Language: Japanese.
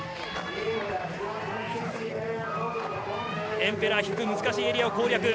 エンペラーヒップ難しいエリアを攻略。